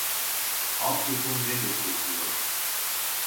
Alt yapım ne destekliyor